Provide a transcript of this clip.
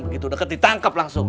begitu deket ditangkap langsung